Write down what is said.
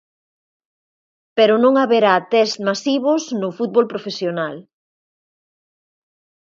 Pero non haberá tests masivos no fútbol profesional.